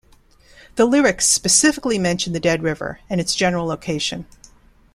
The lyrics specifically mention the Dead River, and its general location.